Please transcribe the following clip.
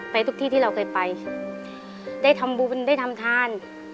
ทุกที่ที่เราเคยไปได้ทำบุญได้ทำทาน